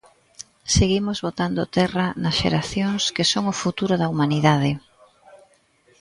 Seguimos botando terra nas xeracións que son o futuro da humanidade.